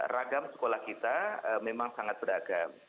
ragam sekolah kita memang sangat beragam